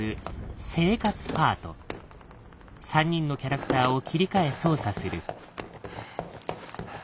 ３人のキャラクターを切り替え操作する。